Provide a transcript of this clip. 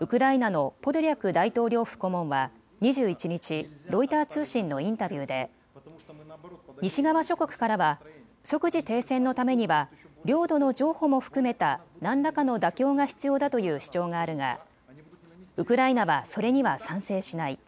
ウクライナのポドリャク大統領府顧問は２１日、ロイター通信のインタビューで西側諸国からは即時停戦のためには領土の譲歩も含めた何らかの妥協が必要だという主張があるがウクライナはそれには賛成しない。